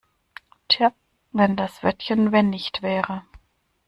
Tja, wenn das Wörtchen wenn nicht wäre!